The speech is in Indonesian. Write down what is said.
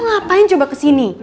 ngapain coba kesini